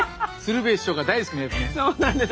そうなんです。